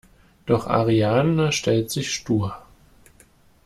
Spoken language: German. Doch Ariane stellt sich stur.